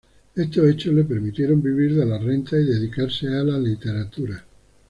Estos hechos le permitieron vivir de las rentas y dedicarse a la literatura.